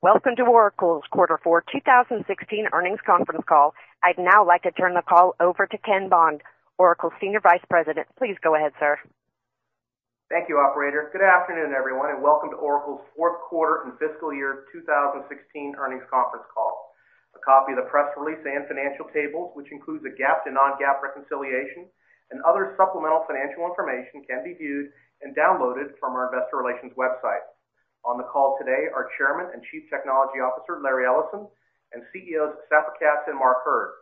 Welcome to Oracle's quarter four 2016 earnings conference call. I'd now like to turn the call over to Ken Bond, Oracle's Senior Vice President. Please go ahead, sir. Thank you, operator. Good afternoon, everyone, and welcome to Oracle's fourth quarter and fiscal year 2016 earnings conference call. A copy of the press release and financial tables, which includes a GAAP to non-GAAP reconciliation and other supplemental financial information, can be viewed and downloaded from our investor relations website. On the call today are Chairman and Chief Technology Officer, Larry Ellison, and CEOs, Safra Catz and Mark Hurd.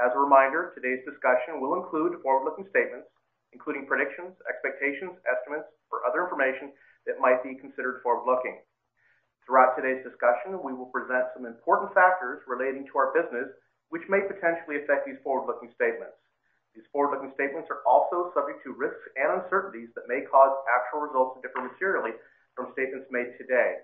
As a reminder, today's discussion will include forward-looking statements, including predictions, expectations, estimates, or other information that might be considered forward-looking. Throughout today's discussion, we will present some important factors relating to our business, which may potentially affect these forward-looking statements. These forward-looking statements are also subject to risks and uncertainties that may cause actual results to differ materially from statements made today.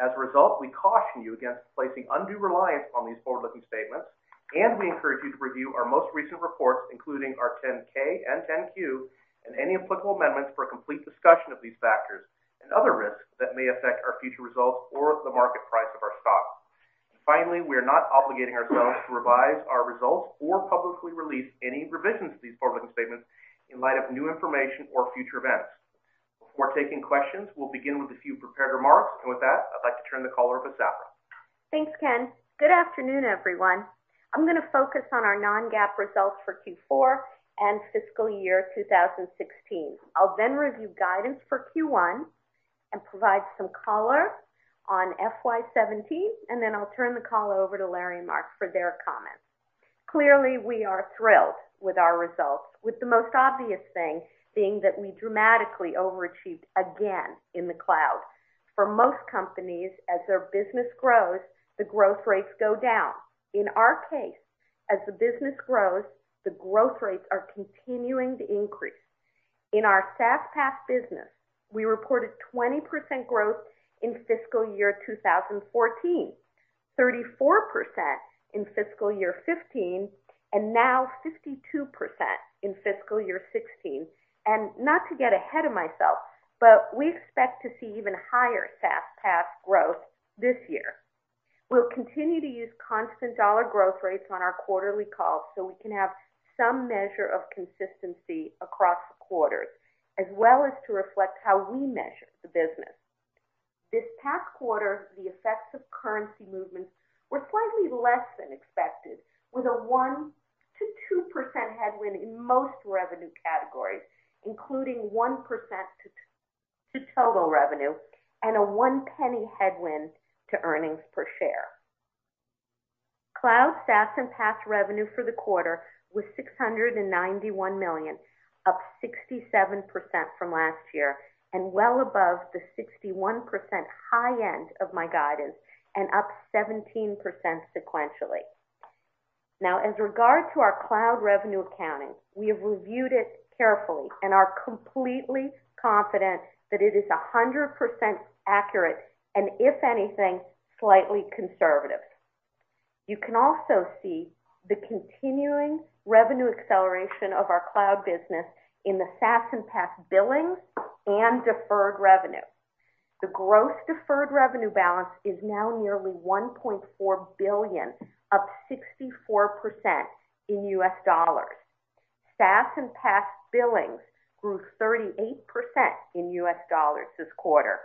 As a result, we caution you against placing undue reliance on these forward-looking statements, and we encourage you to review our most recent reports, including our 10-K and 10-Q, and any applicable amendments for a complete discussion of these factors and other risks that may affect our future results or the market price of our stock. Finally, we are not obligating ourselves to revise our results or publicly release any revisions to these forward-looking statements in light of new information or future events. Before taking questions, we'll begin with a few prepared remarks. With that, I'd like to turn the call over to Safra. Thanks, Ken. Good afternoon, everyone. I'm going to focus on our non-GAAP results for Q4 and fiscal year 2016. I'll then review guidance for Q1 and provide some color on FY 2017. Then I'll turn the call over to Larry and Mark for their comments. Clearly, we are thrilled with our results, with the most obvious thing being that we dramatically overachieved again in the cloud. For most companies, as their business grows, the growth rates go down. In our case, as the business grows, the growth rates are continuing to increase. In our SaaS, PaaS business, we reported 20% growth in fiscal year 2014, 34% in FY 2015, and now 52% in FY 2016. Not to get ahead of myself, but we expect to see even higher SaaS, PaaS growth this year. We'll continue to use constant dollar growth rates on our quarterly calls so we can have some measure of consistency across the quarters, as well as to reflect how we measure the business. This past quarter, the effects of currency movements were slightly less than expected, with a 1%-2% headwind in most revenue categories, including 1% to total revenue and a $0.01 headwind to earnings per share. Cloud, SaaS, and PaaS revenue for the quarter was $691 million, up 67% from last year and well above the 61% high end of my guidance and up 17% sequentially. As regard to our cloud revenue accounting, we have reviewed it carefully and are completely confident that it is 100% accurate and, if anything, slightly conservative. You can also see the continuing revenue acceleration of our cloud business in the SaaS and PaaS billings and deferred revenue. The gross deferred revenue balance is now nearly $1.4 billion, up 64% in U.S. dollars. SaaS and PaaS billings grew 38% in U.S. dollars this quarter.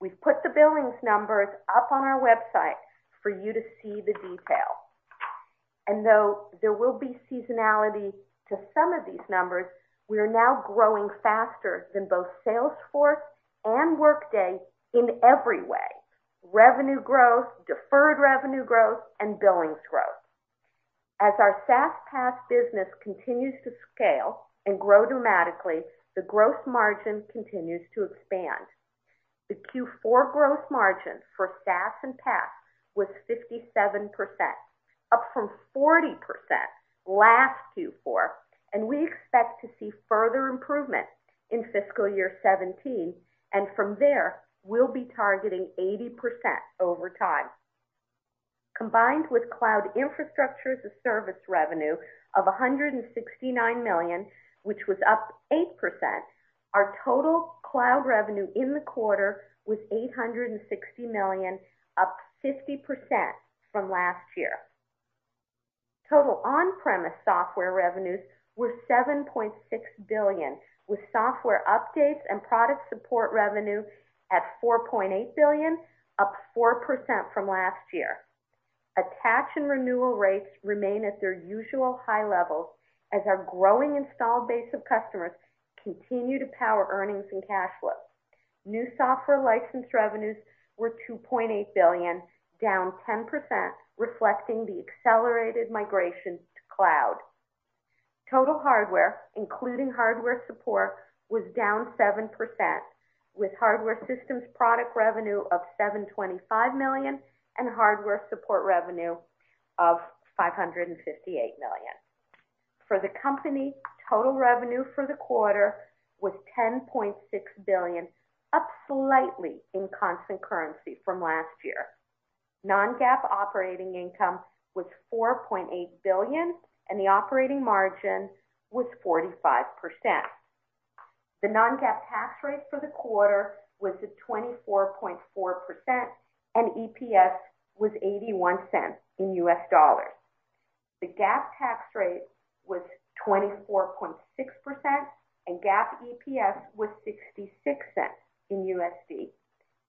We've put the billings numbers up on our website for you to see the detail. Though there will be seasonality to some of these numbers, we are now growing faster than both Salesforce and Workday in every way: revenue growth, deferred revenue growth, and billings growth. As our SaaS, PaaS business continues to scale and grow dramatically, the growth margin continues to expand. The Q4 growth margin for SaaS and PaaS was 57%, up from 40% last Q4, and we expect to see further improvement in FY 2017. From there, we'll be targeting 80% over time. Combined with cloud infrastructure as a service revenue of $169 million, which was up 8%, our total cloud revenue in the quarter was $860 million, up 50% from last year. Total on-premise software revenues were $7.6 billion, with software updates and product support revenue at $4.8 billion, up 4% from last year. Attach and renewal rates remain at their usual high levels as our growing installed base of customers continue to power earnings and cash flows. New software license revenues were $2.8 billion, down 10%, reflecting the accelerated migration to cloud. Total hardware, including hardware support, was down 7%, with hardware systems product revenue of $725 million and hardware support revenue of $558 million. For the company, total revenue for the quarter was $10.6 billion, up slightly in constant currency from last year. non-GAAP operating income was $4.8 billion, and the operating margin was 45%. The non-GAAP tax rate for the quarter was at 24.4%, and EPS was $0.81. The GAAP tax rate was 24.6%, and GAAP EPS was $0.66.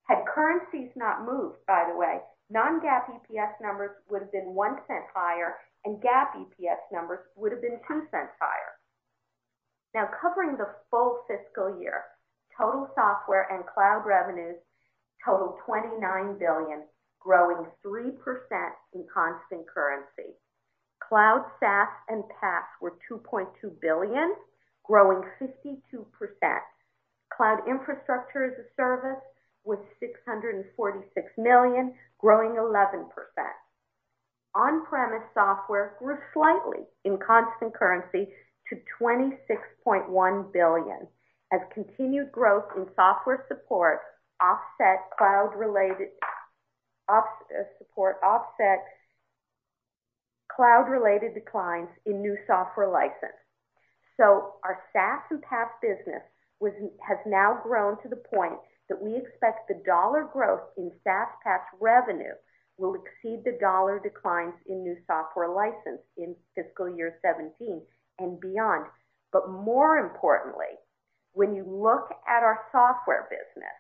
Had currencies not moved, by the way, non-GAAP EPS numbers would've been $0.01 higher, and GAAP EPS numbers would've been $0.02 higher. Covering the full fiscal year, total software and cloud revenues totaled $29 billion, growing 3% in constant currency. Cloud SaaS and PaaS were $2.2 billion, growing 52%. Cloud infrastructure as a service was $646 million, growing 11%. On-premise software grew slightly in constant currency to $26.1 billion, as continued growth in software support offset cloud-related declines in new software license. Our SaaS and PaaS business has now grown to the point that we expect the dollar growth in SaaS, PaaS revenue will exceed the dollar declines in new software license in fiscal year 2017 and beyond. More importantly, when you look at our software business,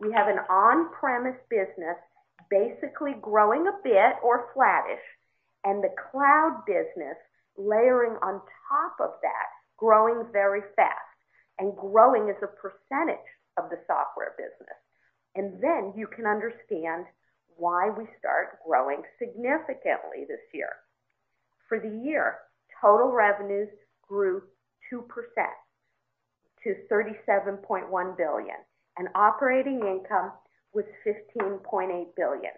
we have an on-premise business basically growing a bit or flattish, and the cloud business layering on top of that, growing very fast and growing as a percentage of the software business. You can understand why we start growing significantly this year. For the year, total revenues grew 2% to $37.1 billion, and operating income was $15.8 billion.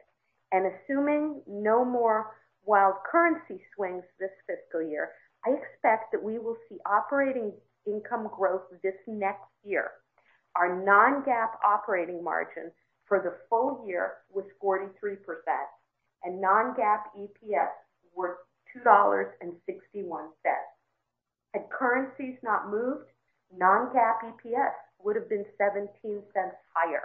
Assuming no more wild currency swings this fiscal year, I expect that we will see operating income growth this next year. Our non-GAAP operating margin for the full year was 43%, and non-GAAP EPS was $2.61. Had currencies not moved, non-GAAP EPS would've been $0.17 higher.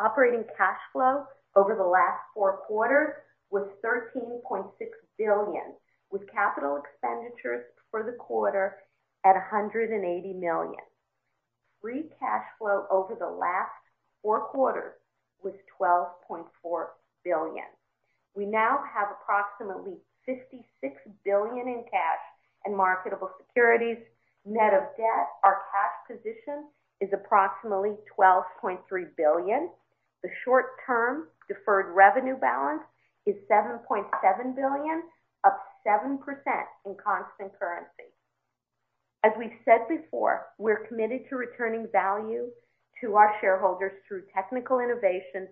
Operating cash flow over the last four quarters was $13.6 billion, with capital expenditures for the quarter at $180 million. Free cash flow over the last four quarters was $12.4 billion. We now have approximately $56 billion in cash and marketable securities. Net of debt, our cash position is approximately $12.3 billion. The short-term deferred revenue balance is $7.7 billion, up 7% in constant currency. As we've said before, we're committed to returning value to our shareholders through technical innovation,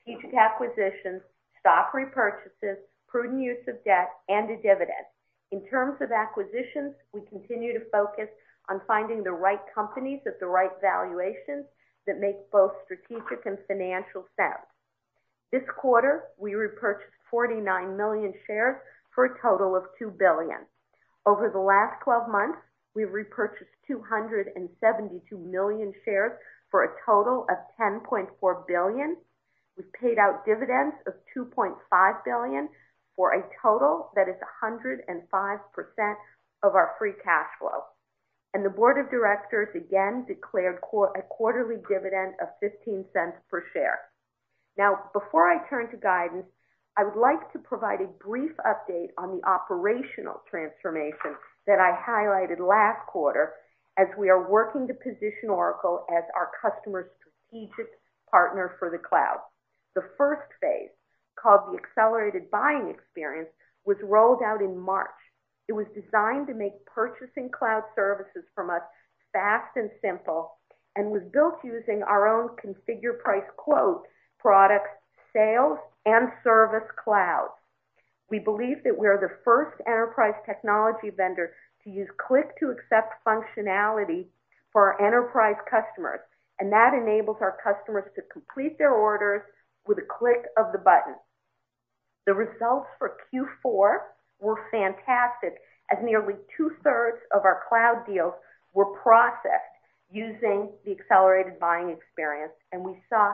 strategic acquisitions, stock repurchases, prudent use of debt, and a dividend. In terms of acquisitions, we continue to focus on finding the right companies at the right valuations that make both strategic and financial sense. This quarter, we repurchased 49 million shares for a total of $2 billion. Over the last 12 months, we've repurchased 272 million shares for a total of $10.4 billion. We've paid out dividends of $2.5 billion for a total that is 105% of our free cash flow. The board of directors again declared a quarterly dividend of $0.15 per share. Before I turn to guidance, I would like to provide a brief update on the operational transformation that I highlighted last quarter as we are working to position Oracle as our customers' strategic partner for the cloud. The first phase, called the Accelerated Buying Experience, was rolled out in March. It was designed to make purchasing cloud services from us fast and simple and was built using our own Oracle Configure, Price, Quote, product, sales, and service clouds. We believe that we're the first enterprise technology vendor to use click-to-accept functionality for our enterprise customers, that enables our customers to complete their orders with a click of the button. The results for Q4 were fantastic, as nearly two-thirds of our cloud deals were processed using the Accelerated Buying Experience, we saw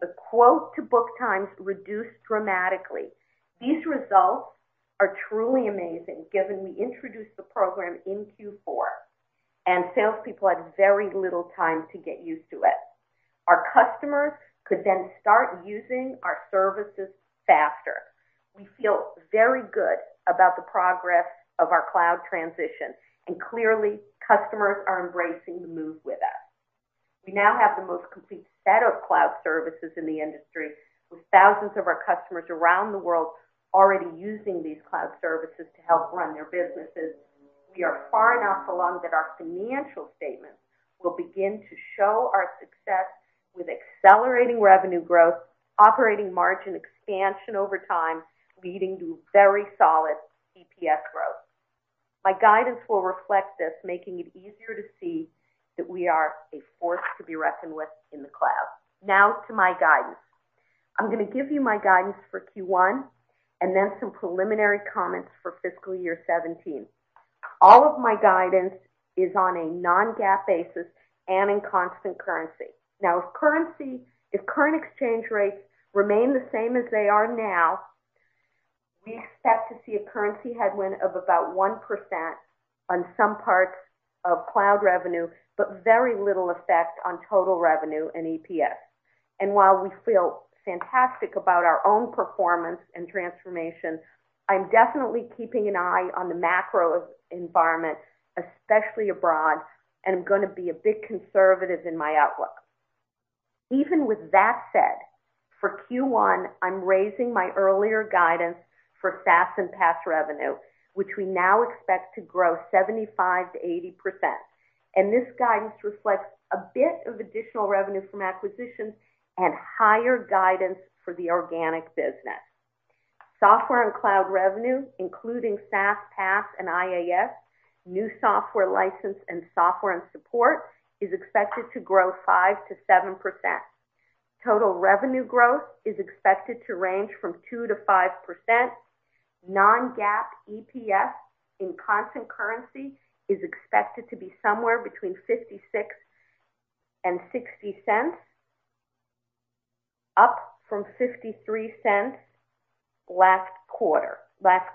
the quote-to-book times reduce dramatically. These results are truly amazing given we introduced the program in Q4 and salespeople had very little time to get used to it. Our customers could then start using our services faster. We feel very good about the progress of our cloud transition, clearly, customers are embracing the move with us. We now have the most complete set of cloud services in the industry, with thousands of our customers around the world already using these cloud services to help run their businesses. We are far enough along that our financial statements will begin to show our success with accelerating revenue growth, operating margin expansion over time, leading to very solid EPS growth. My guidance will reflect this, making it easier to see that we are a force to be reckoned with in the cloud. Now to my guidance. I'm going to give you my guidance for Q1, and then some preliminary comments for fiscal year 2017. All of my guidance is on a non-GAAP basis and in constant currency. If current exchange rates remain the same as they are now, we expect to see a currency headwind of about 1% on some parts of cloud revenue, but very little effect on total revenue and EPS. While we feel fantastic about our own performance and transformation, I'm definitely keeping an eye on the macro environment, especially abroad, and I'm going to be a bit conservative in my outlook. Even with that said, for Q1, I'm raising my earlier guidance for SaaS and PaaS revenue, which we now expect to grow 75%-80%. This guidance reflects a bit of additional revenue from acquisitions and higher guidance for the organic business. Software and cloud revenue, including SaaS, PaaS, and IaaS, new software license, and software and support, is expected to grow 5%-7%. Total revenue growth is expected to range from 2%-5%. Non-GAAP EPS in constant currency is expected to be somewhere between $0.56 and $0.60, up from $0.53 last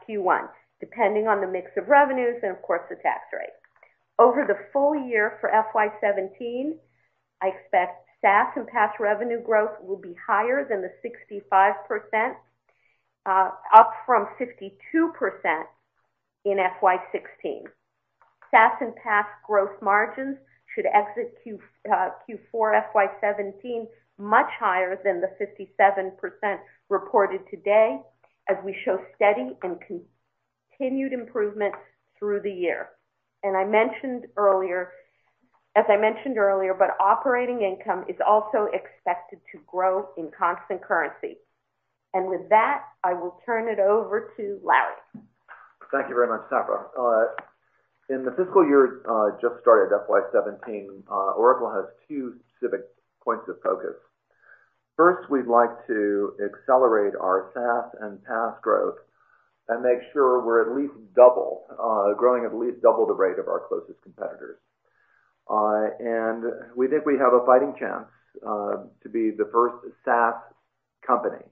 Q1, depending on the mix of revenues and, of course, the tax rate. Over the full year for FY 2017, I expect SaaS and PaaS revenue growth will be higher than the 65%, up from 52% in FY 2016. SaaS and PaaS growth margins should exit Q4 FY 2017 much higher than the 57% reported today, as we show steady and continued improvement through the year. As I mentioned earlier, operating income is also expected to grow in constant currency. With that, I will turn it over to Larry. Thank you very much, Safra. In the fiscal year just started, FY 2017, Oracle has two specific points of focus. First, we'd like to accelerate our SaaS and PaaS growth and make sure we're growing at least double the rate of our closest competitors. We think we have a fighting chance to be the first SaaS company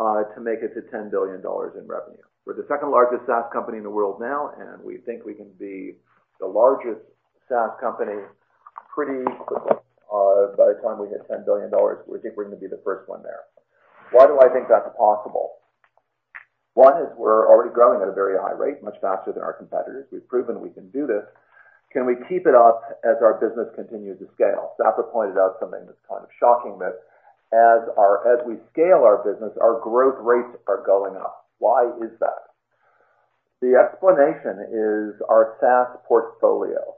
to make it to $10 billion in revenue. We're the second-largest SaaS company in the world now, and we think we can be the largest SaaS company pretty quickly. By the time we hit $10 billion, we think we're going to be the first one there. Why do I think that's possible? One is we're already growing at a very high rate, much faster than our competitors. We've proven we can do this. Can we keep it up as our business continues to scale? Safra pointed out something that's kind of shocking, that as we scale our business, our growth rates are going up. Why is that? The explanation is our SaaS portfolio.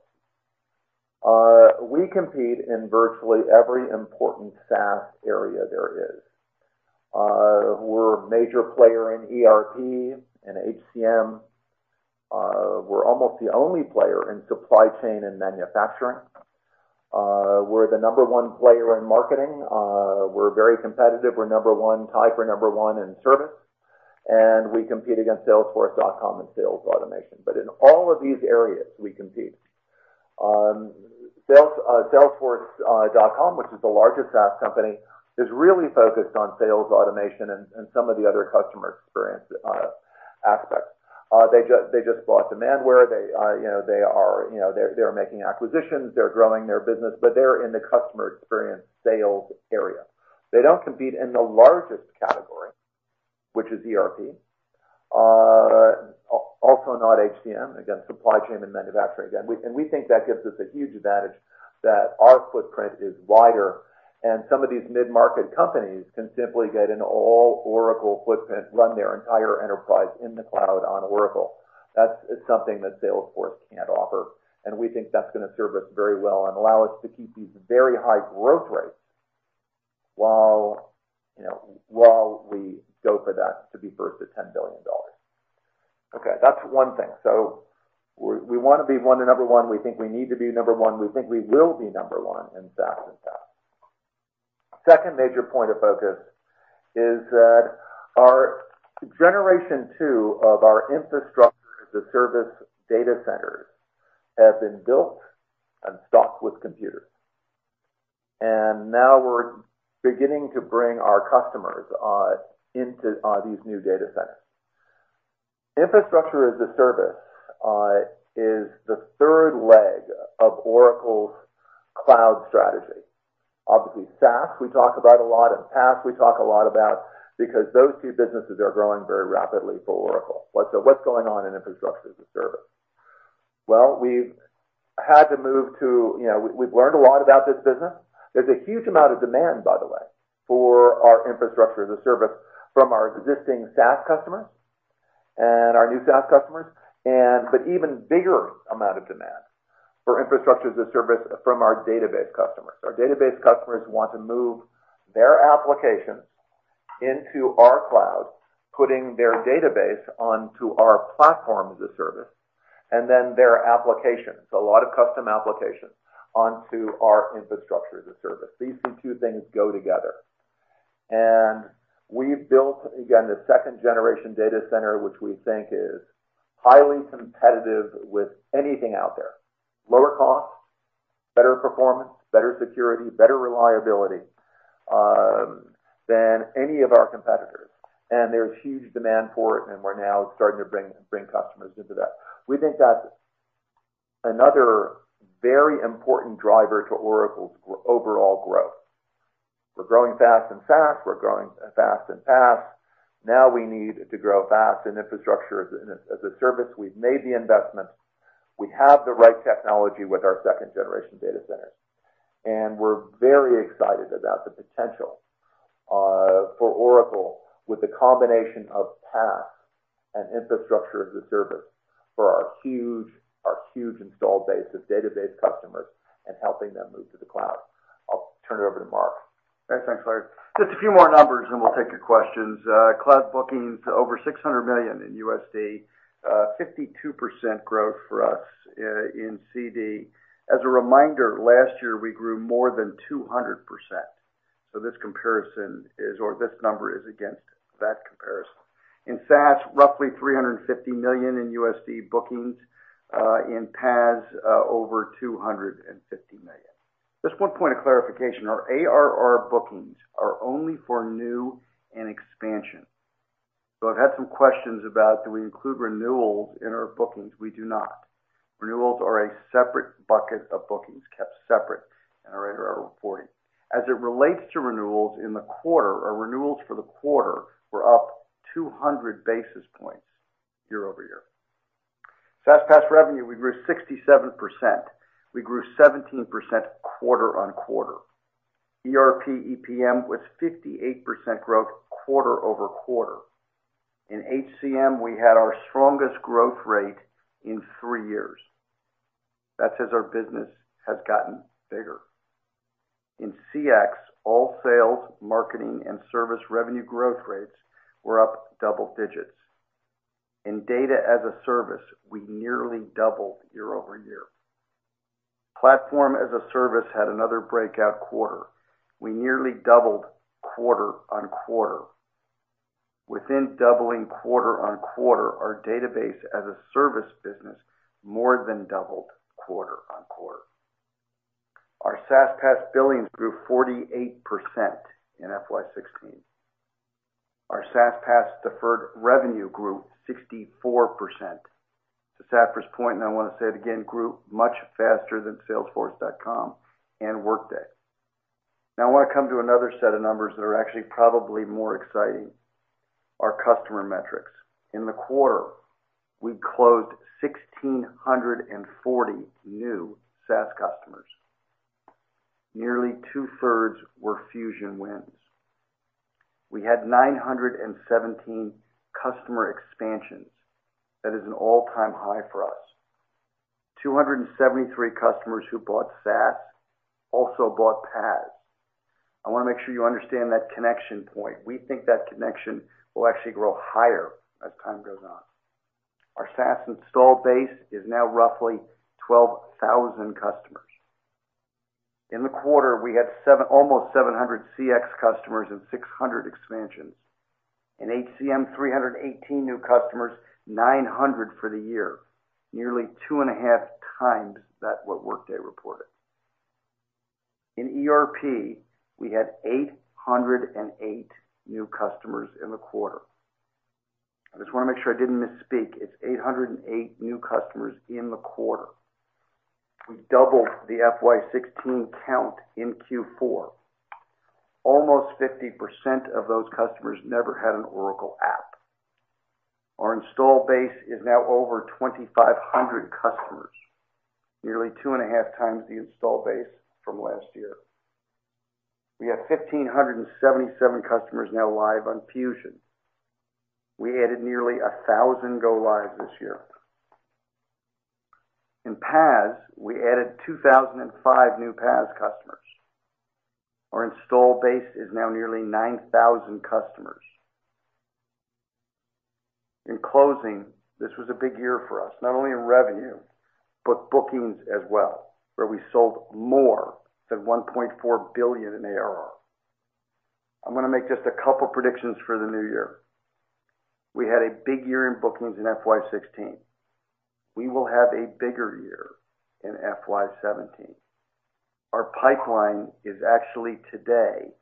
We compete in virtually every important SaaS area there is. We're a major player in ERP and HCM. We're almost the only player in supply chain and manufacturing. We're the number one player in marketing. We're very competitive. We're tied for number one in service. We compete against Salesforce.com in sales automation. In all of these areas, we compete. Salesforce.com, which is the largest SaaS company, is really focused on sales automation and some of the other customer experience aspects. They just bought Demandware. They're making acquisitions. They're growing their business, but they're in the customer experience sales area. They don't compete in the largest category, which is ERP. Also not HCM. Again, supply chain and manufacturing. We think that gives us a huge advantage that our footprint is wider, and some of these mid-market companies can simply get an all-Oracle footprint, run their entire enterprise in the cloud on Oracle. That is something that Salesforce can't offer, and we think that's going to serve us very well and allow us to keep these very high growth rates while we go for that, to be first to $10 billion. Okay, that's one thing. We want to be number one. We think we need to be number one. We think we will be number one in SaaS and PaaS. Second major point of focus is that our generation two of our infrastructure as a service data centers have been built and stocked with computers. Now we're beginning to bring our customers into these new data centers. Infrastructure as a service is the third leg of Oracle's cloud strategy. Obviously, SaaS, we talk about a lot, and PaaS, we talk a lot about, because those two businesses are growing very rapidly for Oracle. What's going on in infrastructure as a service? Well, we've learned a lot about this business. There's a huge amount of demand, by the way, for our infrastructure as a service from our existing SaaS customers and our new SaaS customers. Even bigger amount of demand for infrastructure as a service from our database customers. Our database customers want to move their applications into our cloud, putting their database onto our platform as a service. Then their applications, a lot of custom applications, onto our infrastructure as a service. These two things go together. We've built, again, the second-generation data center, which we think is highly competitive with anything out there. Lower cost, better performance, better security, better reliability than any of our competitors. There's huge demand for it, and we're now starting to bring customers into that. We think that's another very important driver to Oracle's overall growth. We're growing fast in SaaS, we're growing fast in PaaS. Now we need to grow fast in infrastructure as a service. We've made the investment. We have the right technology with our second-generation data centers, and we're very excited about the potential for Oracle with the combination of PaaS and infrastructure as a service for our huge installed base of database customers and helping them move to the cloud. I'll turn it over to Mark. Thanks, Larry. A few more numbers and we'll take your questions. Cloud bookings over $600 million in USD, 52% growth for us in Constant Currency. As a reminder, last year we grew more than 200%. This comparison or this number is against that comparison. In SaaS, roughly $350 million in USD bookings. In PaaS, over $250 million. One point of clarification, our ARR bookings are only for new and expansion. I've had some questions about do we include renewals in our bookings? We do not. Renewals are a separate bucket of bookings, kept separate in our ARR reporting. As it relates to renewals in the quarter, our renewals for the quarter were up 200 basis points year-over-year. SaaS PaaS revenue, we grew 67%. We grew 17% quarter-on-quarter. ERP/EPM was 58% growth quarter-over-quarter. In HCM, we had our strongest growth rate in three years. That's as our business has gotten bigger. In CX, all sales, marketing, and service revenue growth rates were up double digits. In Data as a Service, we nearly doubled year-over-year. Platform as a Service had another breakout quarter. We nearly doubled quarter-on-quarter. Within doubling quarter-on-quarter, our Database as a Service business more than doubled quarter-on-quarter. Our SaaS PaaS billings grew 48% in FY 2016. Our SaaS PaaS deferred revenue grew 64%. To Safra Catz's point, I want to say it again, grew much faster than salesforce.com and Workday. I want to come to another set of numbers that are actually probably more exciting, our customer metrics. In the quarter, we closed 1,640 new SaaS customers. Nearly two-thirds were Fusion wins. We had 917 customer expansions. That is an all-time high for us. 273 customers who bought SaaS also bought PaaS. I want to make sure you understand that connection point. We think that connection will actually grow higher as time goes on. Our SaaS install base is now roughly 12,000 customers. In the quarter, we had almost 700 CX customers and 600 expansions. In HCM, 318 new customers, 900 for the year, nearly two and a half times that what Workday reported. In ERP, we had 808 new customers in the quarter. I want to make sure I didn't misspeak. It's 808 new customers in the quarter. We doubled the FY 2016 count in Q4. Almost 50% of those customers never had an Oracle app. Our install base is now over 2,500 customers, nearly two and a half times the install base from last year. We have 1,577 customers now live on Fusion. We added nearly 1,000 go lives this year. In PaaS, we added 2,005 new PaaS customers. Our install base is now nearly 9,000 customers. In closing, this was a big year for us, not only in revenue, but bookings as well, where we sold more than $1.4 billion in ARR. I'm going to make a couple predictions for the new year. We had a big year in bookings in FY 2016. We will have a bigger year in FY 2017. Our pipeline is actually today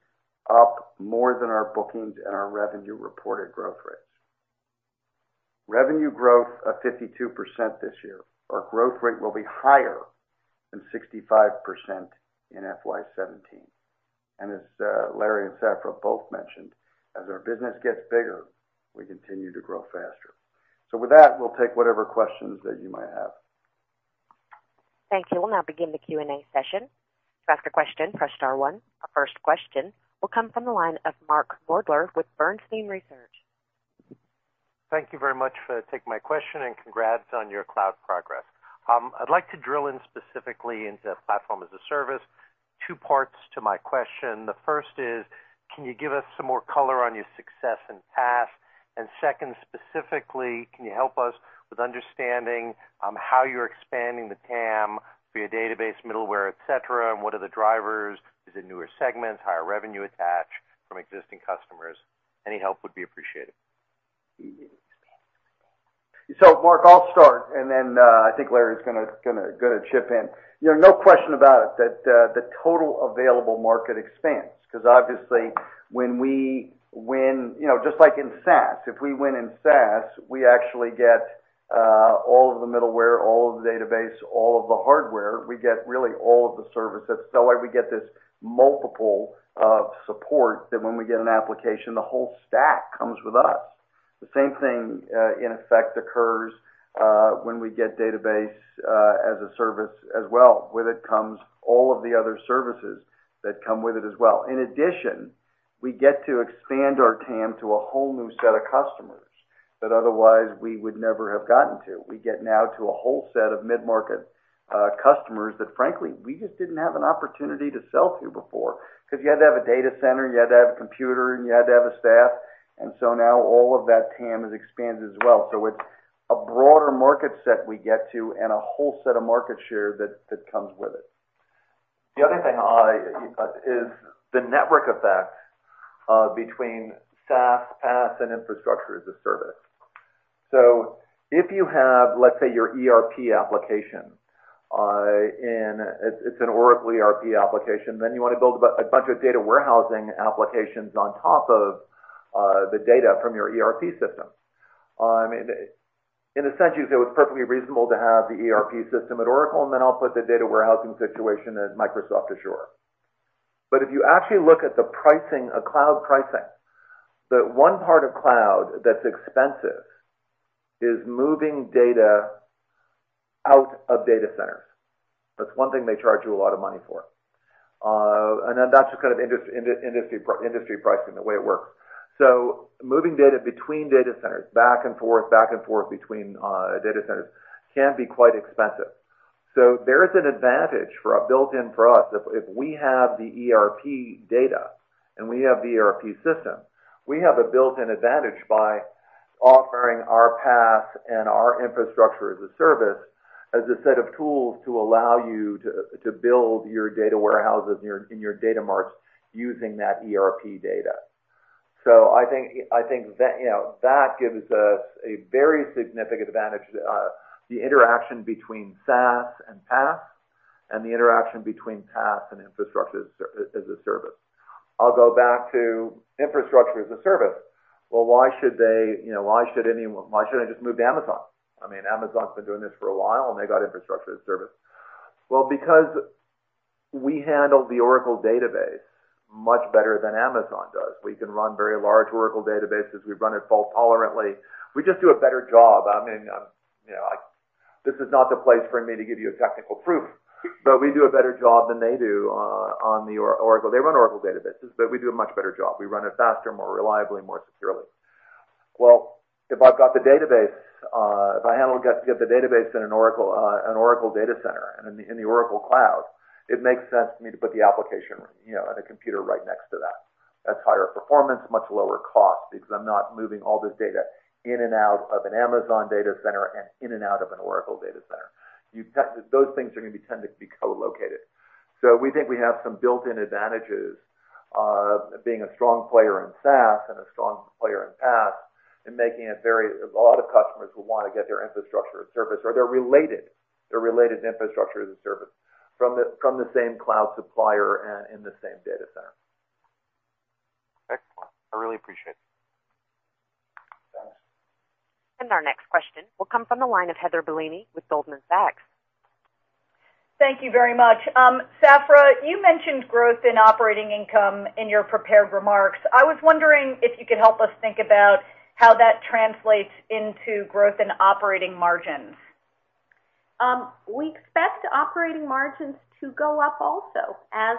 up more than our bookings and our revenue reported growth rates. Revenue growth of 52% this year. Our growth rate will be higher than 65% in FY 2017. As Larry and Safra Catz both mentioned, as our business gets bigger, we continue to grow faster. With that, we'll take whatever questions that you might have. Thank you. We'll now begin the Q&A session. To ask a question, press star one. Our first question will come from the line of Mark Moerdler with Bernstein Research. Thank you very much for taking my question, congrats on your cloud progress. I'd like to drill in specifically into Platform as a Service. Two parts to my question. The first is, can you give us some more color on your success in PaaS? Second, specifically, can you help us with understanding how you're expanding the TAM via database, middleware, et cetera, and what are the drivers? Is it newer segments, higher revenue attached from existing customers? Any help would be appreciated. Mark, I'll start, then I think Larry's going to chip in. No question about it that the total available market expands, because obviously when we win, just like in SaaS, if we win in SaaS, we actually get all of the middleware, all of the database, all of the hardware. We get really all of the services. We get this multiple of support that when we get an application, the whole stack comes with us. The same thing, in effect, occurs when we get Database as a Service as well. With it comes all of the other services that come with it as well. In addition, we get to expand our TAM to a whole new set of customers that otherwise we would never have gotten to. We get now to a whole set of mid-market customers that frankly, we just didn't have an opportunity to sell to before, because you had to have a data center, you had to have a computer, and you had to have a staff. Now all of that TAM has expanded as well. It's a broader market set we get to and a whole set of market share that comes with it. The other thing is the network effect between SaaS, PaaS, and Infrastructure as a Service. If you have, let's say, your ERP application, and it's an Oracle ERP application, you want to build a bunch of data warehousing applications on top of the data from your ERP system. In a sense, you could say well it's perfectly reasonable to have the ERP system at Oracle, I'll put the data warehousing situation at Microsoft Azure. If you actually look at the pricing of cloud pricing, the one part of cloud that's expensive is moving data out of data centers. That's one thing they charge you a lot of money for. That's just kind of industry pricing, the way it works. Moving data between data centers, back and forth, back and forth between data centers, can be quite expensive. There is an advantage built in for us if we have the ERP data and we have the ERP system. We have a built-in advantage by offering our PaaS and our Infrastructure as a Service as a set of tools to allow you to build your data warehouses in your data marts using that ERP data. I think that gives us a very significant advantage, the interaction between SaaS and PaaS, and the interaction between PaaS and Infrastructure as a Service. I'll go back to Infrastructure as a Service. Well, why shouldn't I just move to Amazon? Amazon's been doing this for a while, they got Infrastructure as a Service. Well, because we handle the Oracle Database much better than Amazon does. We can run very large Oracle databases. We run it fault tolerantly. We just do a better job. This is not the place for me to give you a technical proof, we do a better job than they do on the Oracle. They run Oracle databases, we do a much better job. We run it faster, more reliably, more securely. Well, if I've got the database in an Oracle data center and in the Oracle Cloud, it makes sense for me to put the application in a computer right next to that. That's higher performance, much lower cost, because I'm not moving all this data in and out of an Amazon data center and in and out of an Oracle data center. Those things are going to tend to be co-located. We think we have some built-in advantages of being a strong player in SaaS and a strong player in PaaS. A lot of customers will want to get their Infrastructure as a Service or they're related to Infrastructure as a Service from the same cloud supplier and in the same data center. Excellent. I really appreciate it. Thanks. Our next question will come from the line of Heather Bellini with Goldman Sachs. Thank you very much. Safra, you mentioned growth in operating income in your prepared remarks. I was wondering if you could help us think about how that translates into growth in operating margins. We expect operating margins to go up also as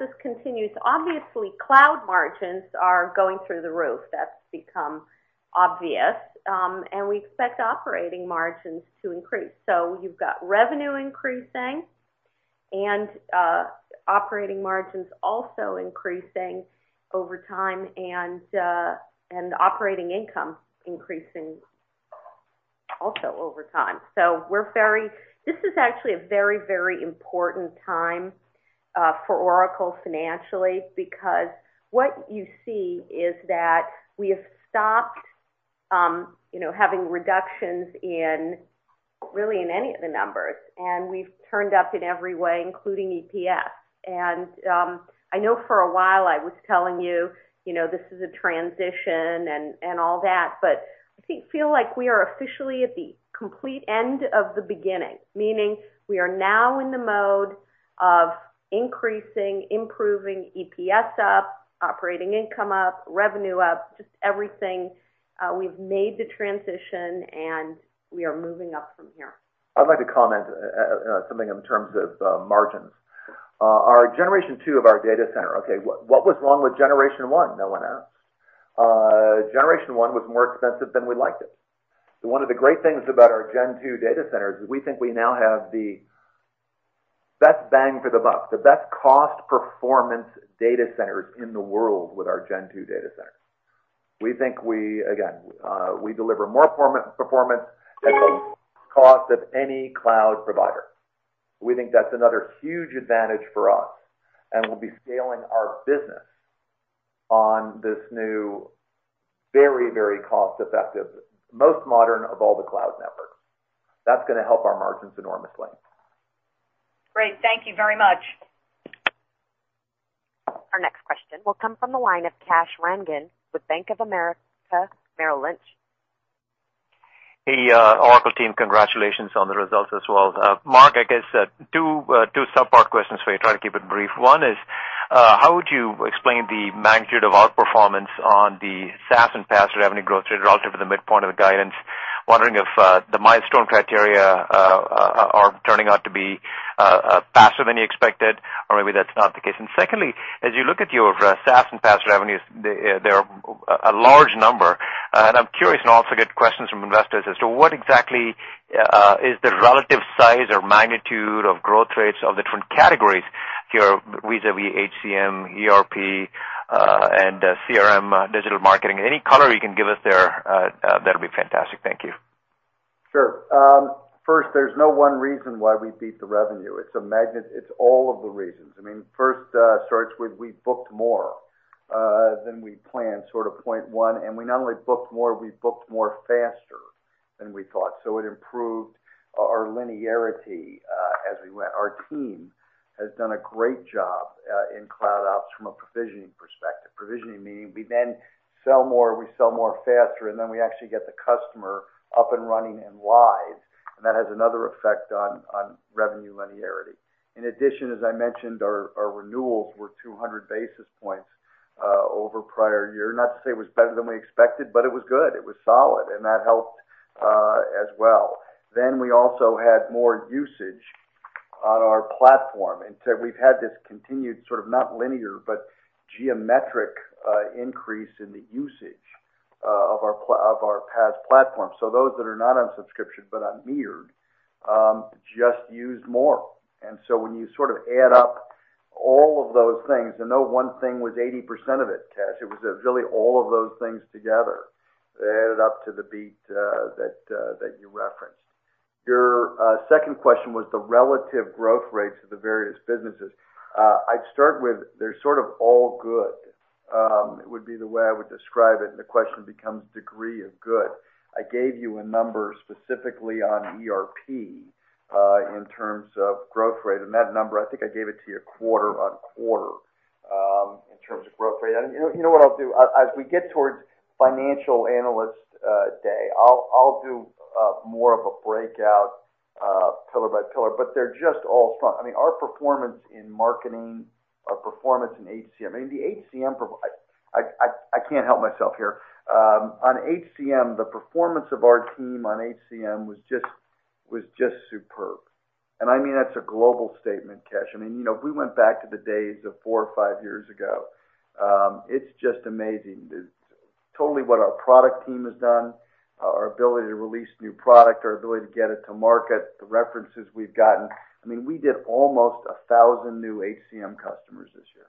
this continues. Obviously, cloud margins are going through the roof. That's become obvious. We expect operating margins to increase. You've got revenue increasing and operating margins also increasing over time and operating income increasing also over time. This is actually a very, very important time for Oracle financially because what you see is that we have stopped having reductions really in any of the numbers, and we've turned up in every way, including EPS. I know for a while I was telling you this is a transition and all that, but I feel like we are officially at the complete end of the beginning, meaning we are now in the mode of increasing, improving EPS up, operating income up, revenue up, just everything. We've made the transition, and we are moving up from here. I'd like to comment something in terms of margins. Our Gen 2 of our data center. Okay, what was wrong with Gen 1, no one asked? Gen 1 was more expensive than we liked it. One of the great things about our Gen 2 data centers is we think we now have the best bang for the buck, the best cost performance data centers in the world with our Gen 2 data centers. We think we again deliver more performance at the cost of any cloud provider. We think that's another huge advantage for us, and we'll be scaling our business on this new, very cost-effective, most modern of all the cloud networks. That's going to help our margins enormously. Great. Thank you very much. Our next question will come from the line of Kash Rangan with Bank of America Merrill Lynch. Hey, Oracle team. Congratulations on the results as well. Mark, I guess two sub-part questions for you. Try to keep it brief. One is, how would you explain the magnitude of outperformance on the SaaS and PaaS revenue growth rate relative to the midpoint of the guidance? Wondering if the milestone criteria are turning out to be faster than you expected, or maybe that's not the case. Secondly, as you look at your SaaS and PaaS revenues, they're a large number, and I'm curious, and also get questions from investors, as to what exactly is the relative size or magnitude of growth rates of the different categories here vis-a-vis HCM, ERP, and CRM, digital marketing? Any color you can give us there, that'll be fantastic. Thank you. Sure. First, there's no one reason why we beat the revenue. It's all of the reasons. First, starts with we booked more than we planned, sort of point one. We not only booked more, we booked more faster than we thought. It improved our linearity as we went. Our team has done a great job in cloud ops from a provisioning perspective. Provisioning meaning we then sell more, we sell more faster, and then we actually get the customer up and running and live, and that has another effect on revenue linearity. In addition, as I mentioned, our renewals were 200 basis points over prior year. Not to say it was better than we expected, but it was good. It was solid, and that helped as well. We also had more usage on our platform. We've had this continued sort of not linear, but geometric increase in the usage of our PaaS platform. Those that are not on subscription but on metered just used more. When you add up all of those things, and no one thing was 80% of it, Kash, it was really all of those things together that added up to the beat that you referenced. Your second question was the relative growth rates of the various businesses. I'd start with, they're sort of all good, would be the way I would describe it, and the question becomes degree of good. I gave you a number specifically on ERP, in terms of growth rate, and that number, I think I gave it to you quarter-on-quarter, in terms of growth rate. You know what I'll do? As we get towards financial analyst day, I'll do more of a breakout pillar by pillar, but they're just all strong. Our performance in marketing, our performance in HCM. I can't help myself here. On HCM, the performance of our team on HCM was just superb. I mean, that's a global statement, Kash. If we went back to the days of four or five years ago, it's just amazing. Totally what our product team has done, our ability to release new product, our ability to get it to market, the references we've gotten. We did almost 1,000 new HCM customers this year,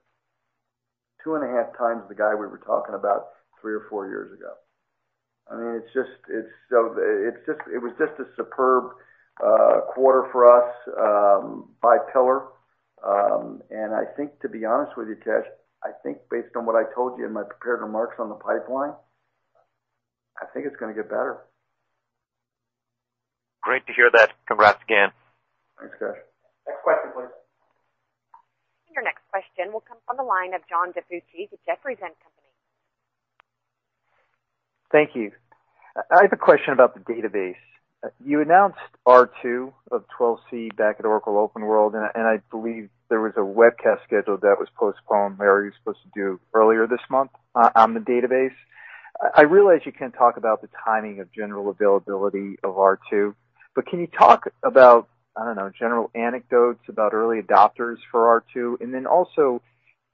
two and a half times the guy we were talking about three or four years ago. It was just a superb quarter for us, by pillar. I think, to be honest with you, Kash, I think based on what I told you in my prepared remarks on the pipeline, I think it's going to get better. Great to hear that. Congrats again. Thanks, Kash. Next question, please. Your next question will come from the line of John DiFucci with Jefferies & Company. Thank you. I have a question about the database. You announced R2 of 12c back at Oracle OpenWorld, I believe there was a webcast scheduled that was postponed, where you were supposed to do earlier this month on the database. I realize you can't talk about the timing of general availability of R2, but can you talk about, I don't know, general anecdotes about early adopters for R2, then also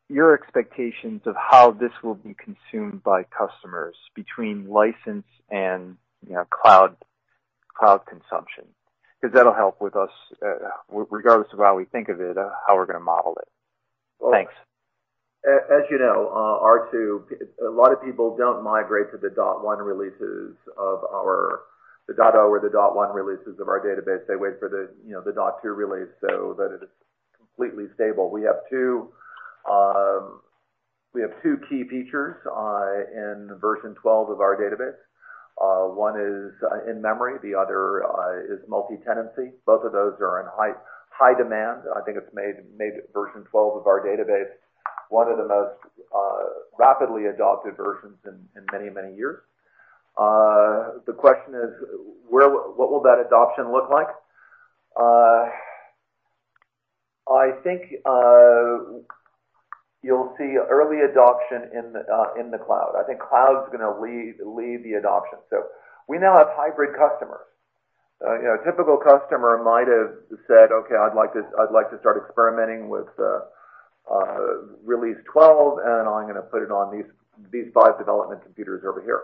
your expectations of how this will be consumed by customers between license and cloud consumption? Because that'll help with us, regardless of how we think of it, how we're going to model it. Thanks. As you know, R2, a lot of people don't migrate to the .0 or the .1 releases of our database. They wait for the .2 release so that it is completely stable. We have two key features in version 12 of our database. One is in-memory, the other is multi-tenancy. Both of those are in high demand. I think it's made version 12 of our database one of the most rapidly adopted versions in many years. The question is, what will that adoption look like? I think you'll see early adoption in the cloud. I think cloud's going to lead the adoption. We now have hybrid customers. A typical customer might have said, "Okay, I'd like to start experimenting with Release 12, I'm going to put it on these five development computers over here."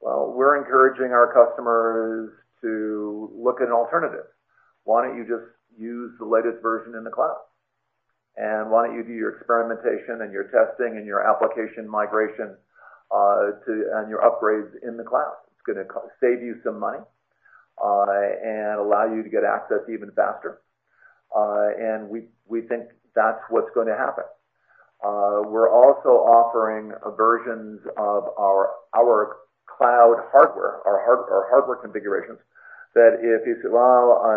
We're encouraging our customers to look at alternatives. Why don't you just use the latest version in the cloud? Why don't you do your experimentation and your testing and your application migration, and your upgrades in the cloud? It's going to save you some money, allow you to get access even faster. We think that's what's going to happen. We're also offering versions of our cloud hardware, our hardware configurations, that if you say,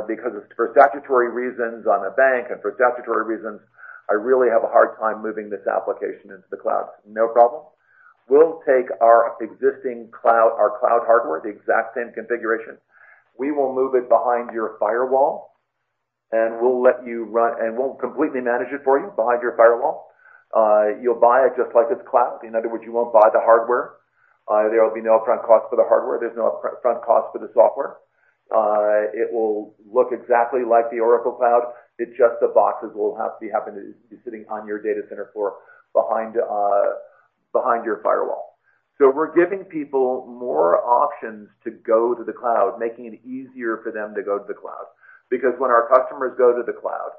"Because for statutory reasons, I'm a bank, for statutory reasons, I really have a hard time moving this application into the cloud." No problem. We'll take our existing cloud hardware, the exact same configuration. We will move it behind your firewall, we'll completely manage it for you behind your firewall. You'll buy it just like it's cloud. In other words, you won't buy the hardware. There will be no upfront cost for the hardware. There's no upfront cost for the software. It will look exactly like the Oracle Cloud. It's just the boxes will happen to be sitting on your data center floor behind your firewall. We're giving people more options to go to the cloud, making it easier for them to go to the cloud. When our customers go to the cloud,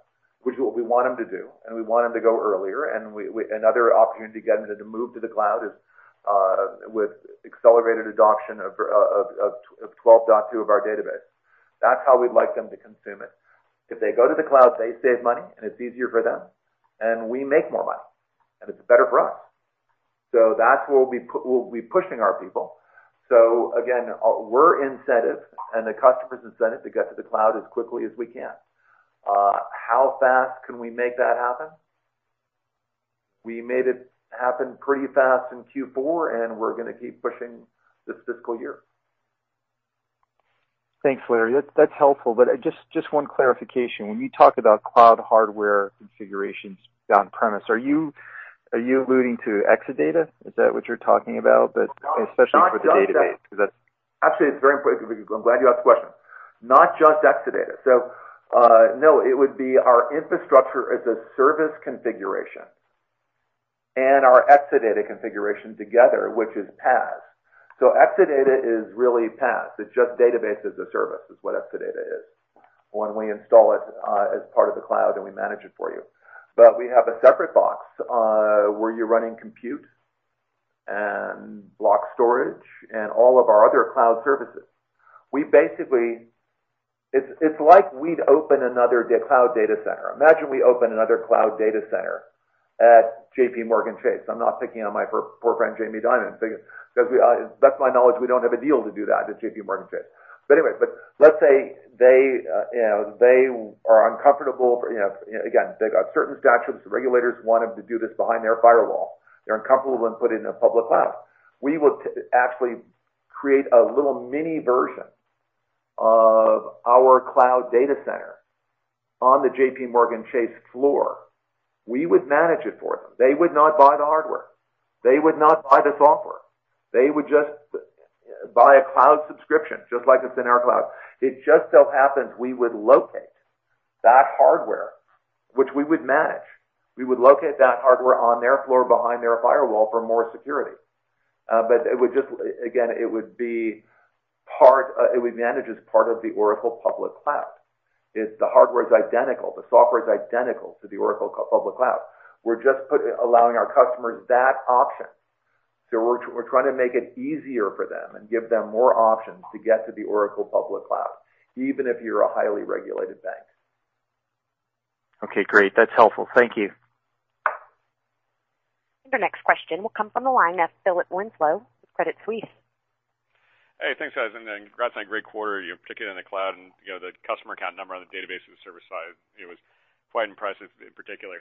which is what we want them to do, we want them to go earlier, another opportunity to get them to move to the cloud is with accelerated adoption of 12.2 of our database. That's how we'd like them to consume it. If they go to the cloud, they save money, and it's easier for them, and we make more money, and it's better for us. That's where we'll be pushing our people. Again, we're incentive, and the customer's incentive to get to the cloud as quickly as we can. How fast can we make that happen? We made it happen pretty fast in Q4, and we're going to keep pushing this fiscal year. Thanks, Larry. That's helpful. Just one clarification. When you talk about cloud hardware configurations on premise, are you alluding to Exadata? Is that what you're talking about? Especially for the database. Actually, it's very important. I'm glad you asked the question. Not just Exadata. No, it would be our infrastructure as a service configuration and our Exadata configuration together, which is PaaS. Exadata is really PaaS. It's just database as a service is what Exadata is when we install it as part of the cloud and we manage it for you. We have a separate box, where you're running Compute and block storage and all of our other cloud services. It's like we'd open another cloud data center. Imagine we open another cloud data center at JPMorgan Chase. I'm not picking on my poor friend Jamie Dimon. To the best of my knowledge, we don't have a deal to do that at JPMorgan Chase. Let's say they are uncomfortable. Again, they've got certain statutes. The regulators want them to do this behind their firewall. They're uncomfortable with putting it in a public cloud. We would actually create a little mini version of our cloud data center on the JPMorgan Chase floor. We would manage it for them. They would not buy the hardware. They would not buy the software. They would just buy a cloud subscription, just like it's in our cloud. It just so happens we would locate that hardware, which we would manage. We would locate that hardware on their floor behind their firewall for more security. Again, it would manage as part of the Oracle public cloud. The hardware is identical. The software is identical to the Oracle public cloud. We're just allowing our customers that option. We're trying to make it easier for them and give them more options to get to the Oracle public cloud, even if you're a highly regulated bank. Okay, great. That's helpful. Thank you. The next question will come from the line of Philip Winslow with Credit Suisse. Hey, thanks, guys, congrats on a great quarter, particularly in the cloud and the customer count number on the Database as a Service side. It was quite impressive in particular.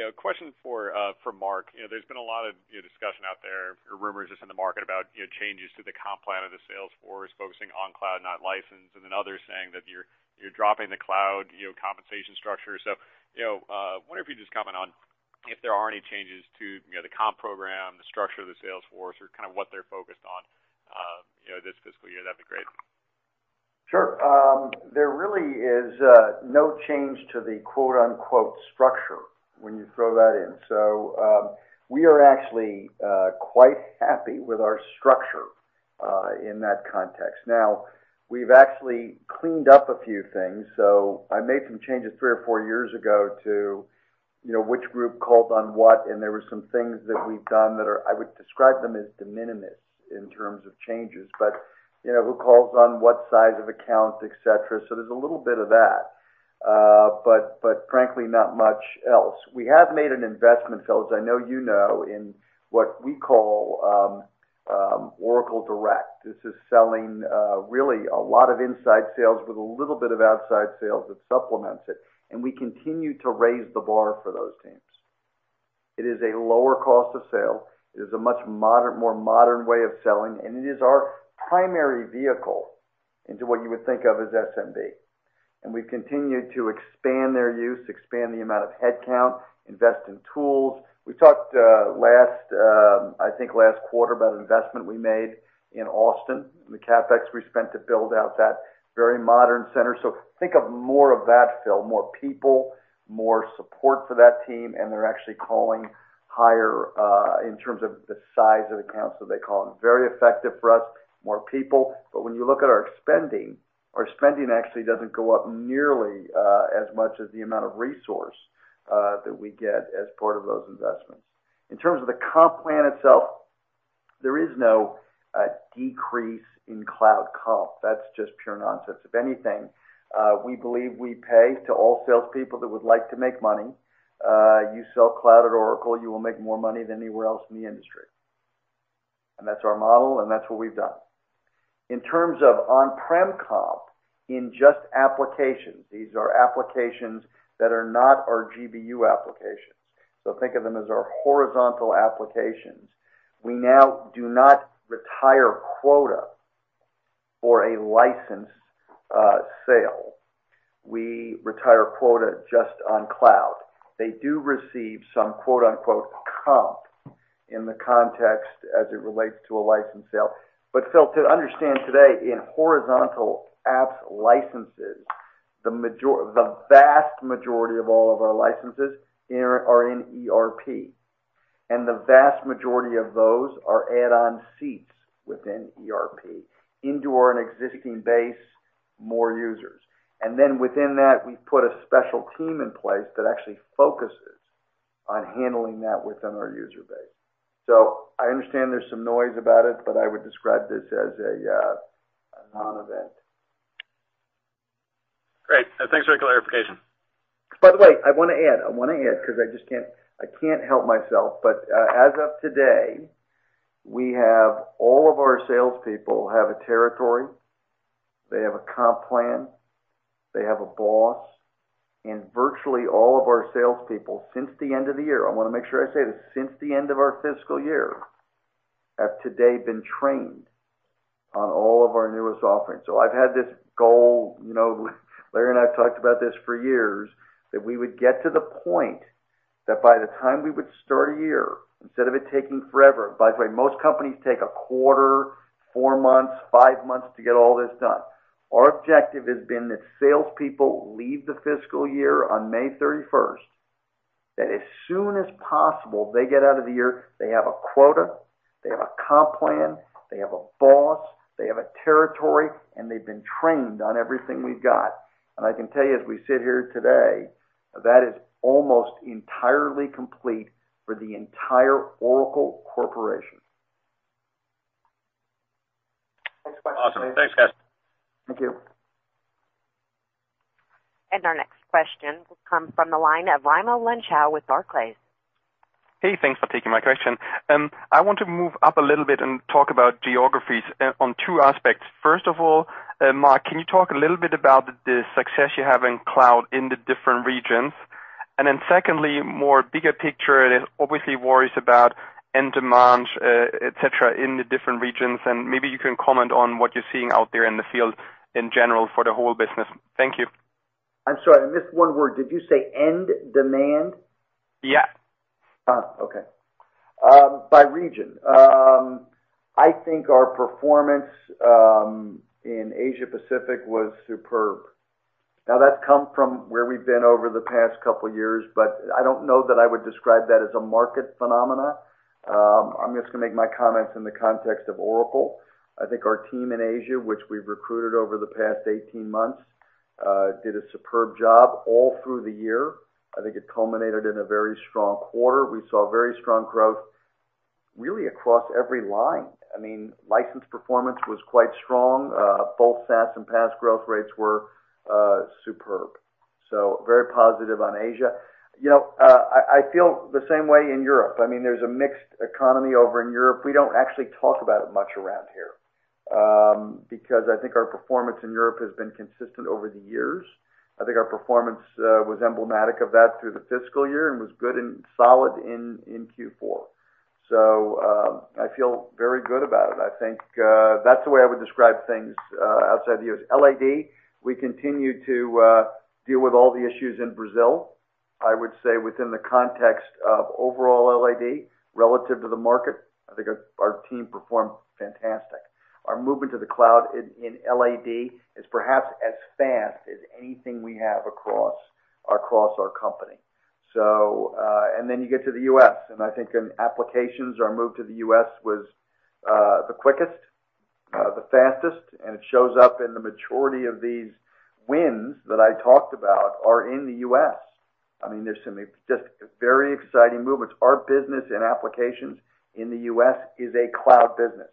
A question for Mark. There's been a lot of discussion out there, or rumors just in the market about changes to the comp plan of the sales force focusing on cloud, not license, others saying that you're dropping the cloud compensation structure. Wonder if you'd just comment on if there are any changes to the comp program, the structure of the sales force, or kind of what they're focused on this fiscal year, that'd be great. Sure. There really is no change to the quote-unquote structure when you throw that in. We are actually quite happy with our structure, in that context. Now, we've actually cleaned up a few things. I made some changes three or four years ago to which group calls on what, there were some things that we've done that I would describe them as de minimis in terms of changes. Who calls on what size of account, et cetera. There's a little bit of that. Frankly, not much else. We have made an investment, Philip, as I know you know, in what we call Oracle Direct. This is selling really a lot of inside sales with a little bit of outside sales that supplements it, we continue to raise the bar for those teams. It is a lower cost of sale. It is a much more modern way of selling, it is our primary vehicle into what you would think of as SMB. We've continued to expand their use, expand the amount of headcount, invest in tools. We talked, I think last quarter, about investment we made in Austin and the CapEx we spent to build out that very modern center. Think of more of that, Phil, more people, more support for that team, they're actually calling higher in terms of the size of accounts that they call them. Very effective for us, more people. When you look at our spending, our spending actually doesn't go up nearly as much as the amount of resource that we get as part of those investments. In terms of the comp plan itself, there is no decrease in cloud comp. That's just pure nonsense. If anything, we believe we pay to all salespeople that would like to make money. You sell cloud at Oracle, you will make more money than anywhere else in the industry. That's our model, that's what we've done. In terms of on-prem comp, in just applications, these are applications that are not our GBU applications. Think of them as our horizontal applications. We now do not retire quota for a license sale. We retire quota just on cloud. They do receive some "comp" in the context as it relates to a license sale. Phil, to understand today, in horizontal apps licenses, the vast majority of all of our licenses are in ERP, the vast majority of those are add-on seats within ERP into our existing base, more users. Then within that, we put a special team in place that actually focuses on handling that within our user base. I understand there's some noise about it, but I would describe this as a non-event. Great. Thanks for the clarification. By the way, I want to add because I can't help myself. As of today, all of our salespeople have a territory, they have a comp plan, they have a boss, and virtually all of our salespeople since the end of the year, I want to make sure I say this, since the end of our fiscal year, have today been trained on all of our newest offerings. I've had this goal, Larry and I have talked about this for years, that we would get to the point that by the time we would start a year, instead of it taking forever. By the way, most companies take a quarter, four months, five months to get all this done. Our objective has been that salespeople leave the fiscal year on May 31st, that as soon as possible they get out of the year, they have a quota, they have a comp plan, they have a boss, they have a territory, and they've been trained on everything we've got. I can tell you as we sit here today, that is almost entirely complete for the entire Oracle Corporation. Next question. Awesome. Thanks, guys. Thank you. Our next question will come from the line of Raimo Lenschow with Barclays. Hey, thanks for taking my question. I want to move up a little bit and talk about geographies on two aspects. First of all, Mark, can you talk a little bit about the success you have in cloud in the different regions? Secondly, more bigger picture, there's obviously worries about end demand, et cetera, in the different regions, and maybe you can comment on what you're seeing out there in the field in general for the whole business. Thank you. I'm sorry, I missed one word. Did you say end demand? Yeah. Okay. By region. I think our performance in Asia Pacific was superb. That's come from where we've been over the past couple of years, but I don't know that I would describe that as a market phenomenon. I'm just going to make my comments in the context of Oracle. I think our team in Asia, which we've recruited over the past 18 months did a superb job all through the year. I think it culminated in a very strong quarter. We saw very strong growth really across every line. License performance was quite strong. Both SaaS and PaaS growth rates were superb. Very positive on Asia. I feel the same way in Europe. There's a mixed economy over in Europe. We don't actually talk about it much around here, because I think our performance in Europe has been consistent over the years. I think our performance was emblematic of that through the fiscal year and was good and solid in Q4. I feel very good about it. I think that's the way I would describe things outside the U.S. LAD, we continue to deal with all the issues in Brazil. I would say within the context of overall LAD relative to the market, I think our team performed fantastic. Our movement to the cloud in LAD is perhaps as fast as anything we have across our company. You get to the U.S., and I think in Applications, our move to the U.S. was the quickest, the fastest, and it shows up in the majority of these wins that I talked about are in the U.S. There's some just very exciting movements. Our business and Applications in the U.S. is a cloud business.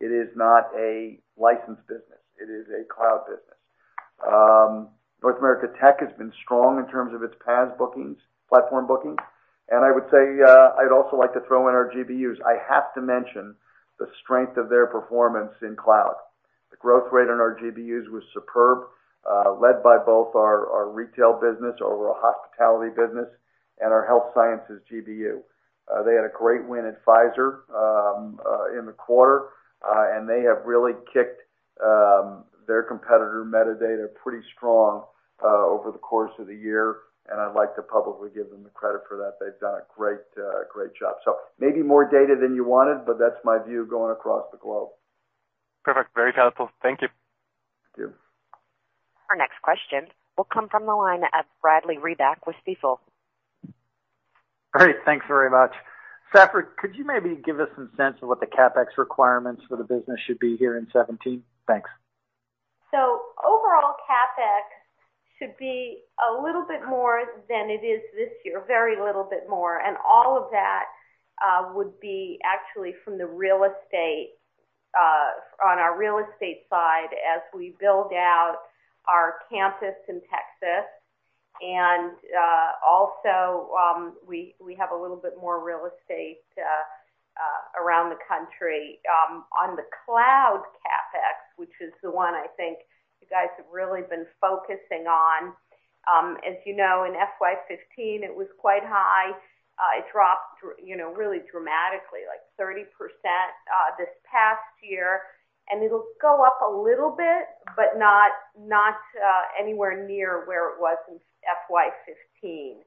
It is not a license business. It is a cloud business. North America Tech has been strong in terms of its PaaS bookings, platform bookings. I would say, I'd also like to throw in our GBUs. I have to mention the strength of their performance in cloud. The growth rate on our GBUs was superb, led by both our retail business, our hospitality business, and our health sciences GBU. They had a great win at Pfizer in the quarter, and they have really kicked their competitor Medidata pretty strong over the course of the year, and I'd like to publicly give them the credit for that. They've done a great job. Maybe more data than you wanted, but that's my view going across the globe. Perfect. Very helpful. Thank you. Thank you. Our next question will come from the line at Bradley Reback with Stifel. Great. Thanks very much. Safra, could you maybe give us some sense of what the CapEx requirements for the business should be here in 2017? Thanks. Overall CapEx should be a little bit more than it is this year, very little bit more. All of that would be actually from the real estate, on our real estate side as we build out our campus in Texas. Also, we have a little bit more real estate around the country. On the cloud CapEx, which is the one I think you guys have really been focusing on. As you know, in FY 2015, it was quite high. It dropped really dramatically, like 30% this past year. It'll go up a little bit, but not anywhere near where it was in FY 2015.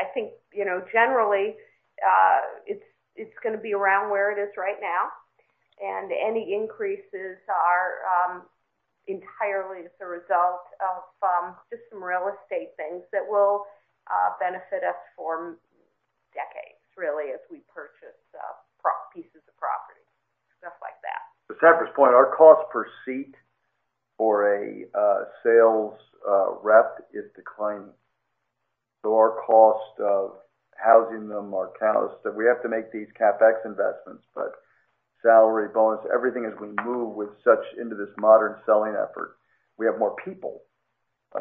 I think, generally, it's going to be around where it is right now, and any increases are entirely as a result of just some real estate things that will benefit us for decades, really, as we purchase pieces of property, stuff like that. To Safra Catz's point, our cost per seat for a sales rep is declining. Our cost of housing them, we have to make these CapEx investments, but salary, bonus, everything as we move into this modern selling effort. We have more people, but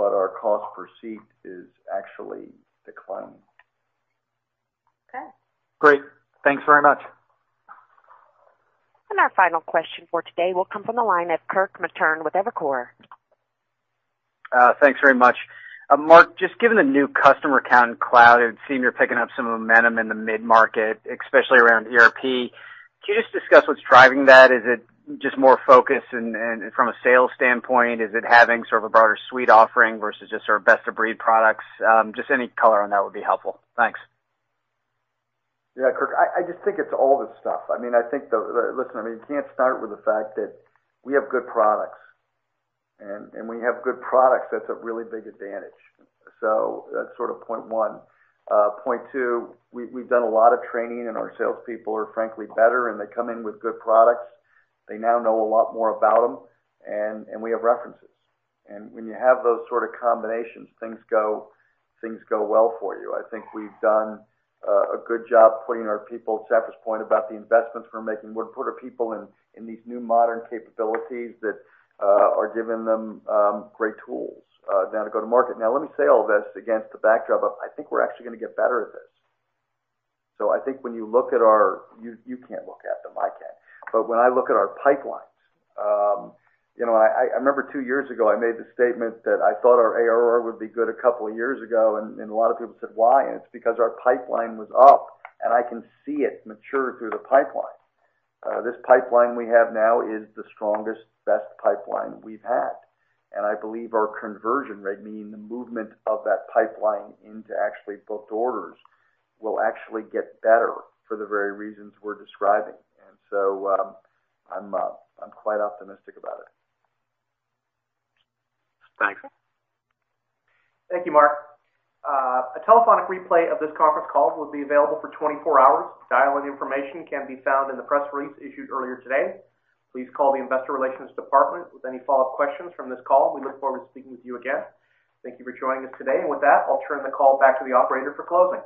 our cost per seat is actually declining. Okay. Great. Thanks very much. Our final question for today will come from the line of Kirk Materne with Evercore. Thanks very much. Mark, just given the new customer count in cloud, it would seem you're picking up some momentum in the mid-market, especially around ERP. Can you just discuss what's driving that? Is it just more focus from a sales standpoint, is it having sort of a broader suite offering versus just our best-of-breed products? Just any color on that would be helpful. Thanks. Yeah, Kirk, I just think it's all the stuff. Listen, you can't start with the fact that we have good products. We have good products, that's a really big advantage. That's sort of point one. Point two, we've done a lot of training and our salespeople are frankly better, and they come in with good products. They now know a lot more about them, and we have references. When you have those sort of combinations, things go well for you. I think we've done a good job putting our people, Safra's point about the investments we're making. We're putting people in these new modern capabilities that are giving them great tools now to go to market. Let me say all this against the backdrop of, I think we're actually going to get better at this. You can't look at them, I can. When I look at our pipelines, I remember two years ago, I made the statement that I thought our ARR would be good a couple of years ago, and a lot of people said, "Why?" It's because our pipeline was up, and I can see it mature through the pipeline. This pipeline we have now is the strongest, best pipeline we've had. I believe our conversion rate, meaning the movement of that pipeline into actually booked orders, will actually get better for the very reasons we're describing. I'm quite optimistic about it. Thanks. Thank you, Mark. A telephonic replay of this conference call will be available for 24 hours. Dial-in information can be found in the press release issued earlier today. Please call the investor relations department with any follow-up questions from this call. We look forward to speaking with you again. Thank you for joining us today. With that, I'll turn the call back to the operator for closing.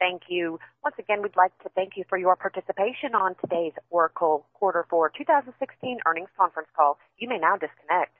Thank you. Once again, we'd like to thank you for your participation on today's Oracle quarter four 2016 earnings conference call. You may now disconnect.